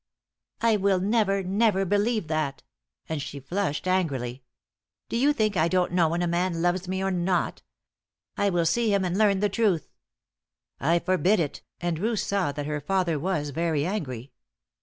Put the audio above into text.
"I will never never believe that!" and she flushed angrily. "Do you think I don't know when a man loves me or not? I will see him and learn the truth." "I forbid it, and Ruth saw that her father was very angry.